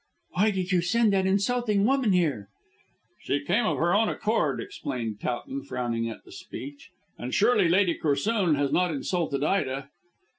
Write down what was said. "Why did you send that insulting woman here?" "She came of her own accord," explained Towton frowning at the speech, "and surely Lady Corsoon has not insulted Ida."